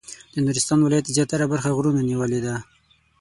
د نورستان ولایت زیاتره برخه غرونو نیولې ده.